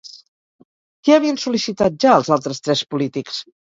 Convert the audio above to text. Què havien sol·licitat ja els altres tres polítics?